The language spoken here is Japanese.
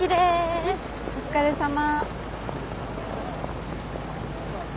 うんお疲れさま。